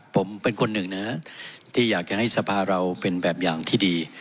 ผมเป็นคนหนึ่งนะครับที่อยากจะให้สภาเราเป็นแบบอย่างที่ดี